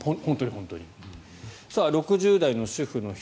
６０代の主婦の人。